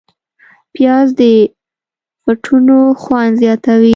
پیاز د فټنو خوند زیاتوي